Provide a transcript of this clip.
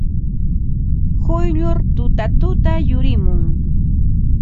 Quyllur tutatuta yurimun.